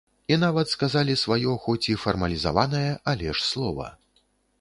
І нават сказалі сваё хоць і фармалізаванае, але ж слова.